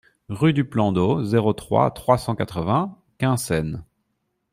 Rue du Plan d'Eau, zéro trois, trois cent quatre-vingts Quinssaines